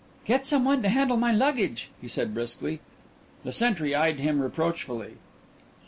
"Get some one to handle my luggage!" he said briskly. The sentry eyed him reproachfully.